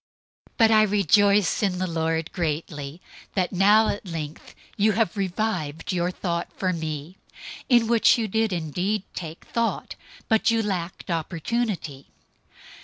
004:010 But I rejoice in the Lord greatly, that now at length you have revived your thought for me; in which you did indeed take thought, but you lacked opportunity.